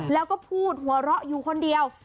แล้วก็พูดหัวเราะอยู่คนเดียว